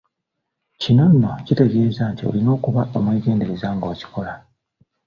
Kino nno kitegeeza nti olina kuba mwegendereza ng'okikola.